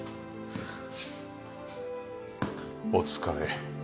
お疲れ。